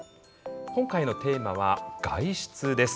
今回のテーマは「外出」です。